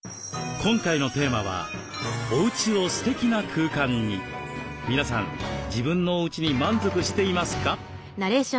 今回のテーマは皆さん自分のおうちに満足していますか？